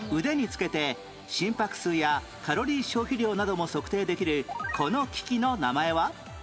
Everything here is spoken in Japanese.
腕に着けて心拍数やカロリー消費量なども測定できるこの機器の名前は？